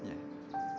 penyakit menular itu